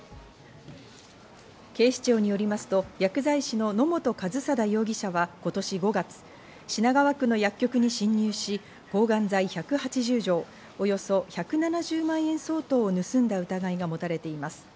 警視庁によりますと薬剤師の野本一定容疑者は今年５月、品川区の薬局に侵入し、抗がん剤１８０錠およそ１７０万円相当を盗んだ疑いが持たれています。